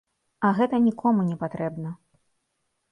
А гэта нікому не патрэбна.